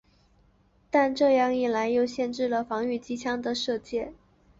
但这样一来又限制了防御机枪的射界。